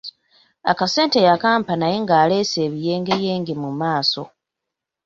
Akasente yakampa naye ng'aleese ebiyengeyenge mu maaso.